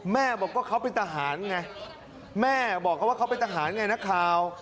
แม่บอกว่าเขาเป็นทหารไงแม่บอกเขาว่าเขาเป็นทหารไงนักข่าว